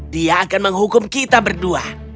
dia akan menghukum kita berdua